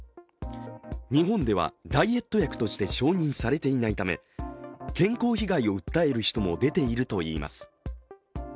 日本ではダイエット薬として承認されていないため、健康被害を訴える人も出ているといいます。